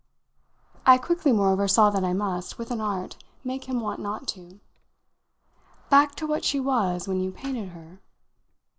I quickly moreover saw that I must, with an art, make him want not to. "Back to what she was when you painted her?"